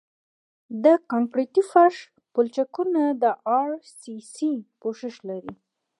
د کانکریټي فرش پلچکونه د ار سي سي پوښښ لري